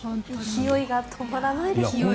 勢いが止まらないですね。